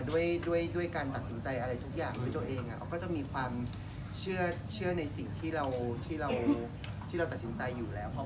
ด้วยการตัดสินใจอะไรทุกอย่างด้วยตัวเองเขาก็จะมีความเชื่อในสิ่งที่เราตัดสินใจอยู่แล้ว